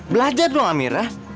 belajar dong amira